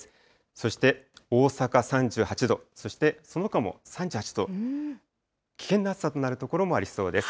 そして大阪３８度、そしてそのほかも３８度、危険な暑さとなる所もありそうです。